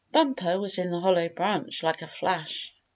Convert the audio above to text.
Bumper was in the hollow branch like a flash.